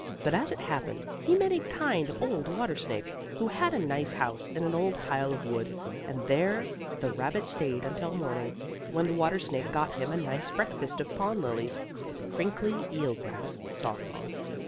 But as it happened he met a kind old water snake, who had a nice house in an old pile of wood, and there the rabbit stayed until morning, when the water snake got him a nice breakfast of pond lilies, with crinkly eel grass sauce on.